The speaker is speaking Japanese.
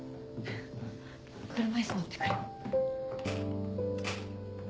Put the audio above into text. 車椅子持って来る。